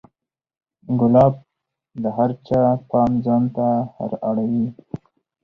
ګلاب د هر چا پام ځان ته را اړوي.